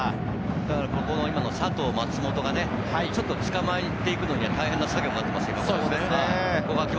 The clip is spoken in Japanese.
佐藤、松本がね、ちょっと捕まえていくのが大変な作業になっています。